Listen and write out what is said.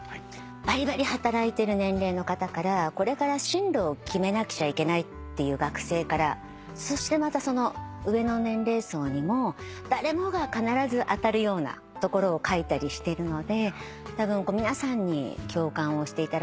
バリバリ働いてる年齢の方からこれから進路を決めなくちゃいけないっていう学生からそしてまたその上の年齢層にも誰もが必ず当たるようなところを書いたりしてるのでたぶん皆さんに共感をしていただけるんじゃないかなと。